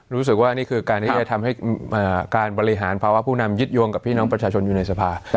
รู้สึกว่านี่คือการที่จะทำให้การบริหารภาวะผู้นำยึดโยงกับพี่น้องประชาชนอยู่ในสภา